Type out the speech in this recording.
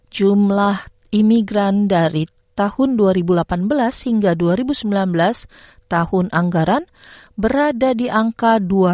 jumlah imigran dari tahun dua ribu delapan belas hingga dua ribu sembilan belas tahun anggaran berada di angka dua ratus tiga puluh sembilan enam ratus